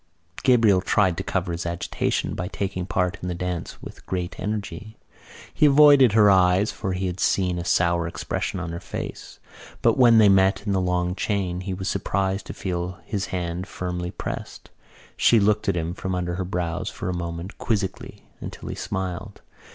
Gabriel tried to cover his agitation by taking part in the dance with great energy. He avoided her eyes for he had seen a sour expression on her face. But when they met in the long chain he was surprised to feel his hand firmly pressed. She looked at him from under her brows for a moment quizzically until he smiled.